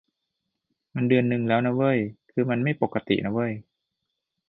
มันเดือนนึงแล้วนะเว้ย คือมันไม่ปกตินะเว้ย